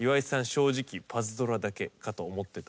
正直『パズドラ』だけかと思ってた」